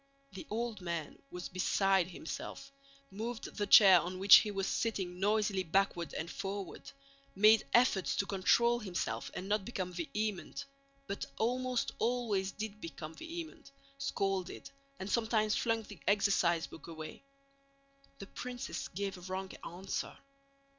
The old man was beside himself: moved the chair on which he was sitting noisily backward and forward, made efforts to control himself and not become vehement, but almost always did become vehement, scolded, and sometimes flung the exercise book away. The princess gave a wrong answer.